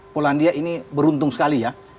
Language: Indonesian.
polandia ini beruntung sekali ya